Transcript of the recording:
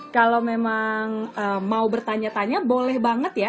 kalau memang mau bertanya tanya boleh banget ya